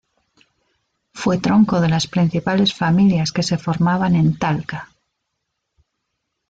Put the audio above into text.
Fue tronco de las principales familias que se formaban en Talca.